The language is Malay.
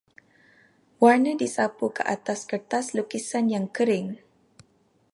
Warna disapu ke atas kertas lukisan yang kering.